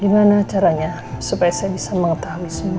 gimana caranya supaya saya bisa mengetahui semua